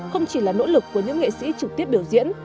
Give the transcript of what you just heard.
không chỉ là nỗ lực của những nghệ sĩ trực tiếp biểu diễn